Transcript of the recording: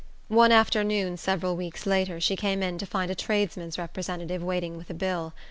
One afternoon, several weeks later, she came in to find a tradesman's representative waiting with a bill.